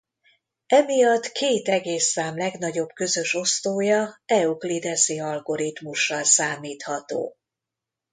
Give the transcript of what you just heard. Emiatt két egész szám legnagyobb közös osztója euklideszi algoritmussal számítható.